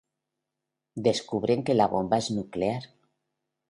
Descubren que la bomba es nuclear.